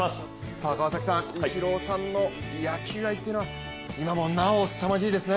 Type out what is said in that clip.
イチローさんの野球愛っていうのは今もなお、すさまじいですね。